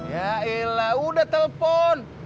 yaelah udah telepon